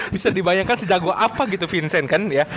bisa dibayangkan sejago apa gitu vincent kan ya